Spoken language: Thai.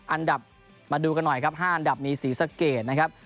อันดับมาดูกันหน่อยครับ๕อันดับมีศรีสะเกดนะครับ